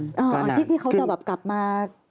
อ๋ออาทิตย์ที่เขากลับมา